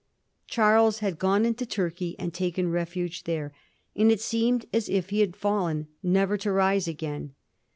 Charles had gone into Turkey and taken refuge there, and it seemed as if he had fallen never to rise again.